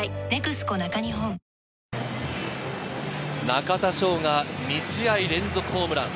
中田翔が２試合連続ホームラン。